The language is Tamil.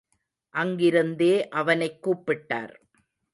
அங்கிருந்தே அவனைக் கூப்பிட்டார்.